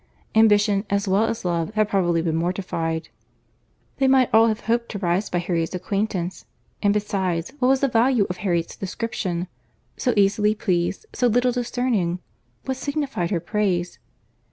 Ambition, as well as love, had probably been mortified. They might all have hoped to rise by Harriet's acquaintance: and besides, what was the value of Harriet's description?—So easily pleased—so little discerning;—what signified her praise?